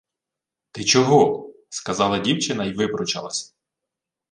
— Ти чого? — сказала дівчина й випручалась.